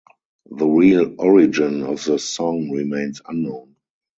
The real origin of the song remains unknown.